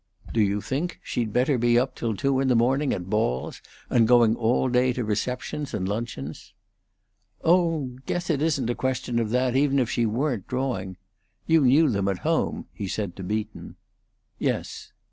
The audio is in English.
"Do you think she'd better be up till two in the morning at balls and going all day to receptions and luncheons?" "Oh, guess it isn't a question of that, even if she weren't drawing. You knew them at home," he said to Beaton. "Yes."